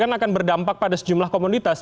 tapi ini akan berdampak pada sejumlah komunitas